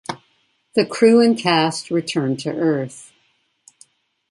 The crew and cast return to Earth.